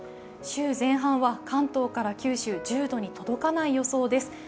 週前半は関東から九州、１０度に届かない予報です。